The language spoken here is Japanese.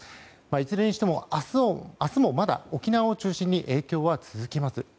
いずれにしても明日もまだ沖縄を中心に影響は続きます。